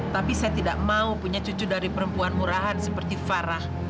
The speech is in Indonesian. tapi saya tidak mau punya cucu dari perempuan murahan seperti farah